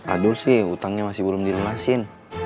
aduh sih utangnya masih belum dilemasin